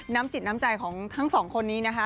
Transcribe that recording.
น้ำจิตน้ำใจของทั้งสองคนนี้นะคะ